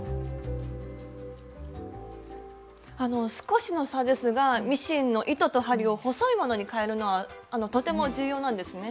あの少しの差ですがミシンの糸と針を細いものにかえるのはとても重要なんですね。